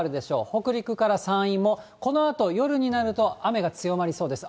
北陸から山陰もこのあと夜になると、雨が強まりそうです。